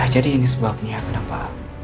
ya jadi ini sebabnya kenapa